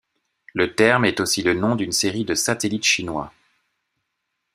Le terme est aussi le nom d'une série de satellites chinois.